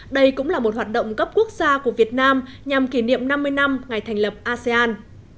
đây cũng là một hoạt động cấp quốc gia của việt nam nhằm kỷ niệm năm mươi năm ngày thành lập asean